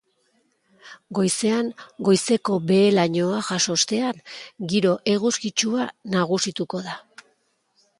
Goizean goizeko behe-lainoa jaso ostean, giro eguzkitsua nagusituko da.